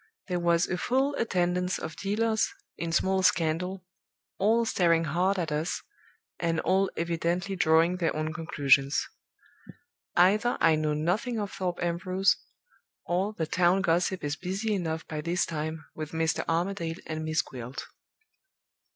There was a full attendance of dealers in small scandal, all staring hard at us, and all evidently drawing their own conclusions. Either I knew nothing of Thorpe Ambrose or the town gossip is busy enough by this time with Mr. Armadale and Miss Gwilt.